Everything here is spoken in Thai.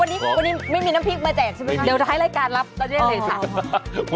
วันนี้ไม่มีน้ำพริกมาแจกใช่ไหมคะเดี๋ยวท้ายรายการรับตอนนี้เลยค่ะ